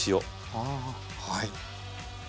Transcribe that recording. ああはい。